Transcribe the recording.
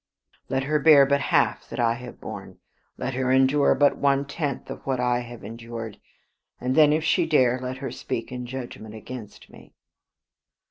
Let her bear but half that I have borne, let her endure but one tenth of what I have endured, and then if she dare let her speak in judgment against me.